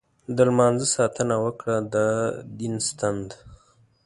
د لمانځه ساتنه وکړه، دا دین ستن ده.